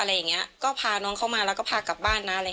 ให้พาน้ายน้องเข้ามาแล้วก็พากลับบ้าน